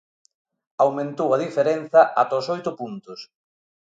Aumentou a diferenza ata os oito puntos.